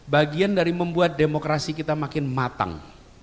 bagian dari membuat demokrasi kita makin matang